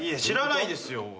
知らないですよ。